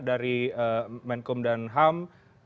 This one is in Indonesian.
dari menko dan ham